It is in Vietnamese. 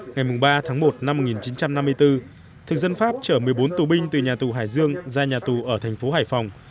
ngày ba tháng một năm một nghìn chín trăm năm mươi bốn thực dân pháp chở một mươi bốn tù binh từ nhà tù hải dương ra nhà tù ở thành phố hải phòng